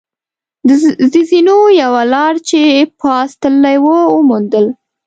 د زینو یوه لار چې پاس تللې وه، و موندل.